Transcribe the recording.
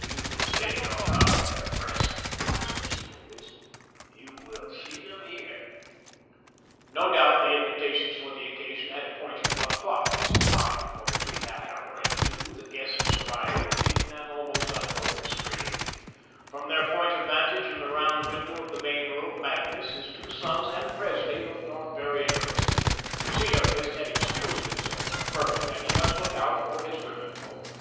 "You can save your carfare, Pres," said Cedarquist, "you will see them here." No doubt, the invitations for the occasion had appointed one o'clock as the time, for between that hour and two, the guests arrived in an almost unbroken stream. From their point of vantage in the round window of the main room, Magnus, his two sons, and Presley looked on very interested. Cedarquist had excused himself, affirming that he must look out for his women folk.